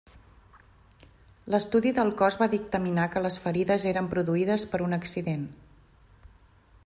L’estudi del cos va dictaminar que les ferides eren produïdes per un accident.